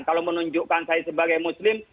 kalau menunjukkan saya sebagai muslim